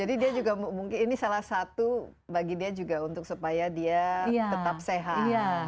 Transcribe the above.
jadi dia juga mungkin ini salah satu bagi dia juga untuk supaya dia tetap sehat